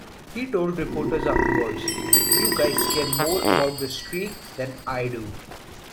He told reporters afterwards, You guys care more about the streak than I do.